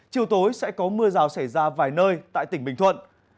chiều tối sẽ có mưa rào xảy ra vài nơi tại tỉnh bình thuận